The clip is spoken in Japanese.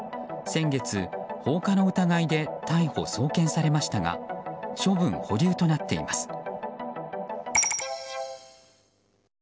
先月、放火の疑いで逮捕・送検されましたが処分保留となっています。